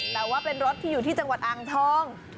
แต่ว่าเป็นรถที่อยู่ที่จังหวัดอ่างทอง